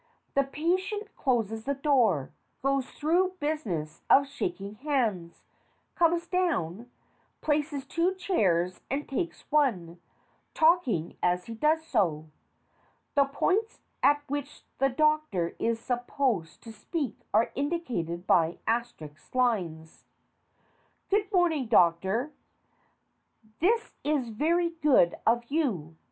The PATIENT closes the door, goes through business of shaking hands, comes down, places two chairs and takes one, talking as he does so. (The points at which the DOCTOR is supposed to speak are indicated by asterisk lines.) Good morning, Doctor. This is very good of you.